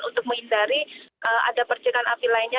untuk menghindari ada percikan api lainnya